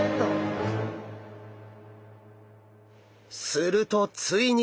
するとついに！